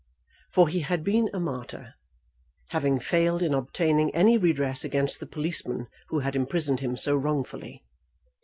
For he had been a martyr, having failed in obtaining any redress against the policeman who had imprisoned him so wrongfully.